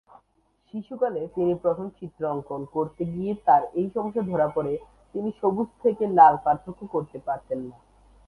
শিশুকালে প্রথম চিত্র অঙ্কন করতে গিয়ে তার এই সমস্যা ধরা পরে, তিনি সবুজ থেকে লাল পার্থক্য করতে পারতেন না।